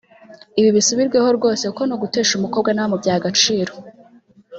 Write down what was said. Ibi bisubirweho rwose kuko ni ugutesha umukobwa n’abamubyaye agaciro